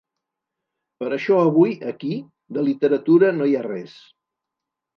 Per això avui, aquí, de literatura no hi ha res.